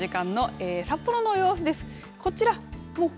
まず、この時間の札幌の様子です。